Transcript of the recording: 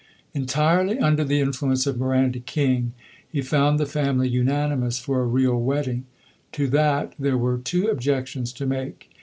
Entirely under the influence of Miranda King, he found the family unanimous for a real wedding. To that there were two objections to make.